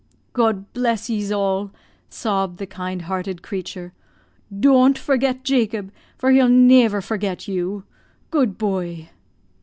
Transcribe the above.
"God bless yees all," sobbed the kind hearted creature. "Doan't forget Jacob, for he'll neaver forget you. Good buoy!"